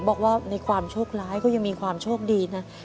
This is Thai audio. บอกว่าในความโชคร้ายก็ยังมีความโชคดีนะ